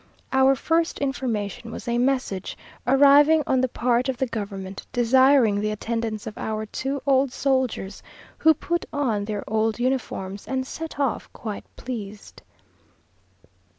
Our first information was a message, arriving on the part of the government, desiring the attendance of our two old soldiers, who put on their old uniforms, and set off quite pleased.